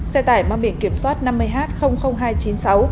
xe tải mang biển kiểm soát năm mươi h hai trăm chín mươi sáu